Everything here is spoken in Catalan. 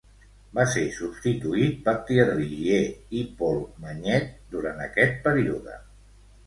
Va ser substituït per Thierry Giet i Paul Magnette durant aquest període.